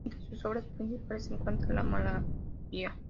Entre sus obras principales se encuentra "La malaria"